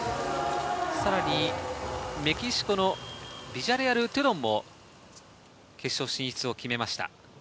さらにメキシコのビジャレアル・トゥドンも決勝進出を決めました。